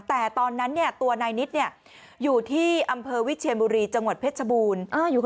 แต่ตอนนั้นตัวนายนิดอยู่ที่อำเภอวิเชียนบุรีจังหวัดเพชรบูรณ์